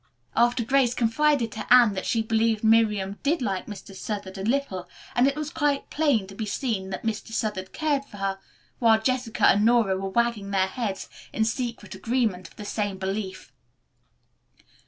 Afterward Grace confided to Anne that she believed Miriam did like Mr. Southard a little, and it was quite plain to be seen that Mr. Southard cared for her, while Jessica and Nora were wagging their heads in secret agreement of the same belief.